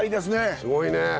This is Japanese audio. すごいね。